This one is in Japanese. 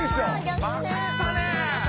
まくったね。